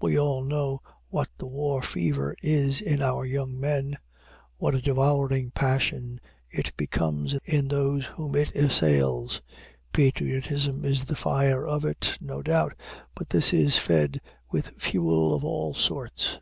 We all know what the war fever is in our young men, what a devouring passion it becomes in those whom it assails. Patriotism is the fire of it, no doubt, but this is fed with fuel of all sorts.